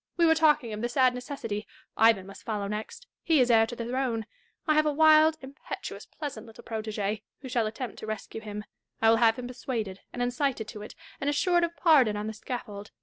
We were talking of the sad necessity. — Ivan must follow next : he is heir to the throne. I have a wild, impetuous, pleasant little protege, who shall attempt to rescue him. I will have him persuaded and incited to it, and assured of pardon on the scaffold.